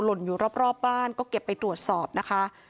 ล่นอยู่รอบบ้านก็เก็บไปตรวจสอบนะคะ